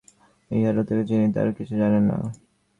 ইহার অতিরিক্ত তিনি আর কিছুই জানেন না।